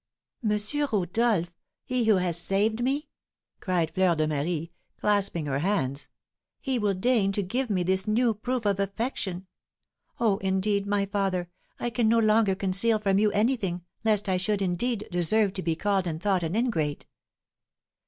"M. Rodolph he who has saved me?" cried Fleur de Marie, clasping her hands; "he will deign to give me this new proof of affection! Oh, indeed, my father, I can no longer conceal from you anything, lest I should, indeed, deserve to be called and thought an ingrate."